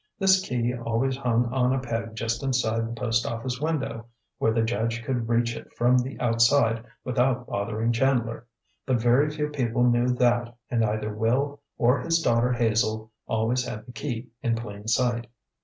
This key always hung on a peg just inside the post office window, where the judge could reach it from the outside without bothering Chandler; but very few people knew that and either Will or his daughter Hazel always had the key in plain sight.